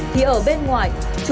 thì ở bên ngoài